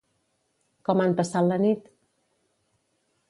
Com han passat la nit?